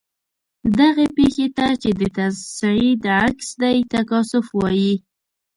دغې پیښې ته چې د تصعید عکس دی تکاثف وايي.